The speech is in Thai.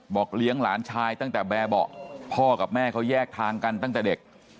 เลี้ยงหลานชายตั้งแต่แบบเบาะพ่อกับแม่เขาแยกทางกันตั้งแต่เด็ก